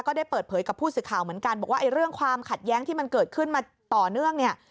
ได้เปิดเผยกับผู้สื่อข่าวเหมือนกันบอกว่าไอ้เรื่องความขัดแย้งที่มันเกิดขึ้นมาต่อเนื่องเนี่ย